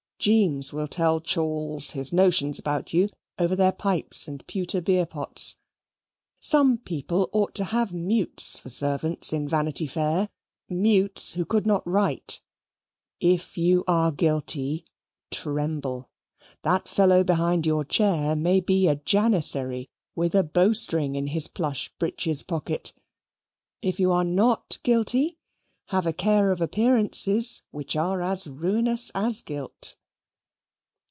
Jeames will tell Chawles his notions about you over their pipes and pewter beer pots. Some people ought to have mutes for servants in Vanity Fair mutes who could not write. If you are guilty, tremble. That fellow behind your chair may be a Janissary with a bow string in his plush breeches pocket. If you are not guilty, have a care of appearances, which are as ruinous as guilt.